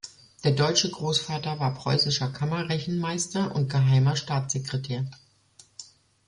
Der deutsche Großvater war preußischer Kammer-Rechenmeister und Geheimer Staatssekretär.